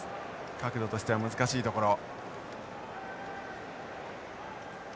角度としては難しいところ。